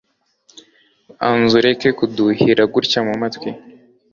banza ureke kuduhira gutya mu matwi